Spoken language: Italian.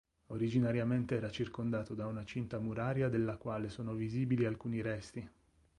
Originariamente era circondato da una cinta muraria della quale sono visibili alcuni resti.